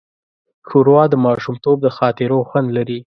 ښوروا د ماشومتوب د خاطرو خوند لري.